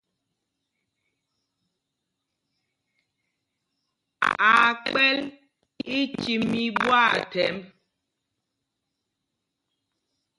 Aa kpɛ̌l ícîm í ɓwâthɛmb.